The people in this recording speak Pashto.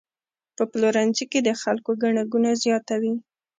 په پلورنځي کې د خلکو ګڼه ګوڼه زیاته وي.